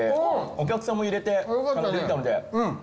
お客さんも入れてできたので。